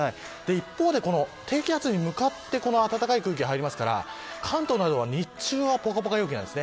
一方で低気圧に向かってこの暖かい空気が入るので関東などは日中はぽかぽか陽気です。